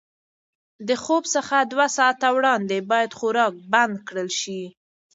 د خوب څخه دوه ساعته وړاندې باید خوراک بند کړل شي.